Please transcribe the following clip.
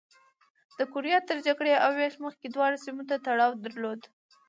د کوریا تر جګړې او وېش مخکې دواړو سیمو تړاو درلود.